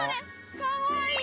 かわいい！